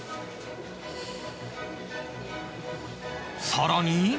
更に